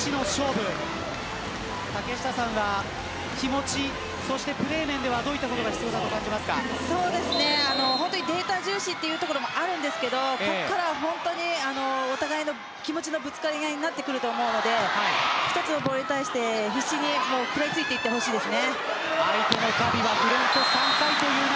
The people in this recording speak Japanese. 竹下さんは気持ちプレー面ではどういったことがデータ重視というところもありますがここからはお互いの気持ちのぶつかり合いになると思うので１つのボールに対して必死に食らいついていってほしいです。